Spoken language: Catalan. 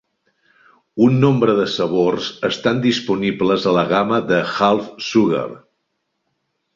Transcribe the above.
Un nombre de sabors estan disponibles a la gama de Half Sugar.